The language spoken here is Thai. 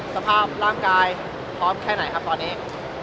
สภาพร่างกายพร้อมแค่ไหนครับตอนนี้